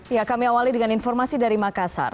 ya kami awali dengan informasi dari makassar